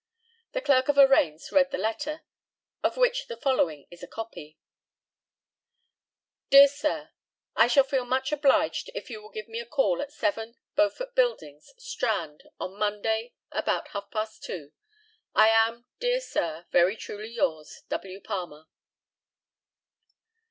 The Clerk of Arraigns read the letter, of which the following is a copy: Dear Sir, I shall feel much obliged if you will give me a call at 7, Beaufort buildings, Strand, on Monday, about half past two. "I am, dear Sir, very truly yours, "W. PALMER."